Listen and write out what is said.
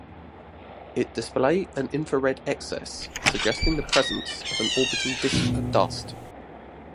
It display an infrared excess, suggesting the presence of an orbiting disk of dust.